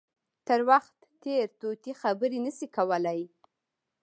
تر وخت تېر طوطي خبرې نه شي کولای.